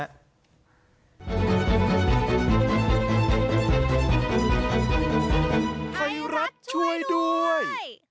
ไทยรัฐช่วยด้วย